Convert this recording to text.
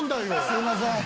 すいません。